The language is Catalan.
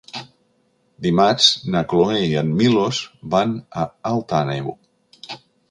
Dimarts na Cloè i en Milos van a Alt Àneu.